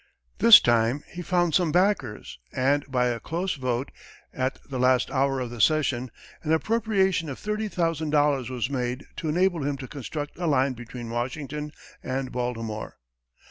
This time, he found some backers, and by a close vote, at the last hour of the session, an appropriation of $30,000 was made to enable him to construct a line between Washington and Baltimore.